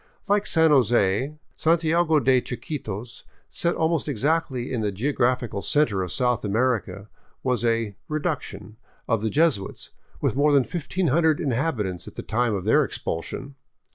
Like San Jose, Santiago de Chiquitos, set almost exactly in the geographical center of South America, was a " reduction " of the Jesuits, with more than 1500 inhabitants at the time of their expulsion.